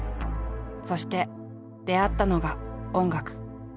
そして出会ったのが音楽。